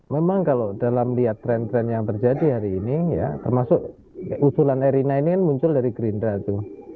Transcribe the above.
memang kalau dalam lihat tren tren yang terjadi hari ini ya termasuk usulan erina ini kan muncul dari gerindra itu